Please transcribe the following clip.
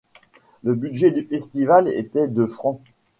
Le budget du festival était de Frs.